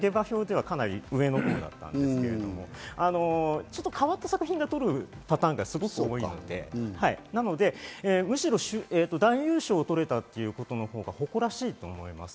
実はこれ、下馬評ではかなり上のほうだったんでけど、ちょっと変わった作品が取るパターンがすごく多いんで、なのでむしろ男優賞を取れということのほうが誇らしいと思います。